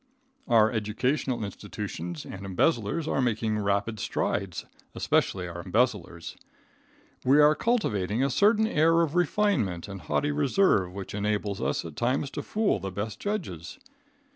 Our educational institutions and embezzlers are making rapid strides, especially our embezzlers. We are cultivating a certain air of refinement and haughty reserve which enables us at times to fool the best judges.